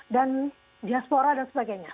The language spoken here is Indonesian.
dan diaspora dan sebagainya